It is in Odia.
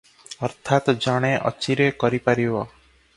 ଅର୍ଥାତ ଜଣେ ଅଚିରେ କରିପାରିବ ।